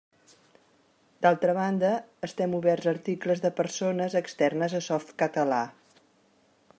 D'altra banda, estem oberts a articles de persones externes a Softcatalà.